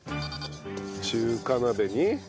中華鍋に。